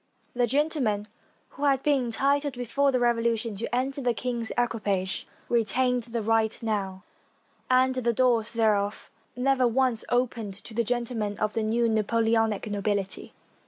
The gentlemen who had been entitled before the Revolution to enter the king's equipage, retained the right now, and the doors thereof never once opened to the gentlemen of the new Napoleonic nobility.